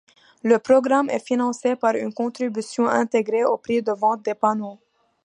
Le programme est financé par une contribution intégrée au prix de vente des panneaux.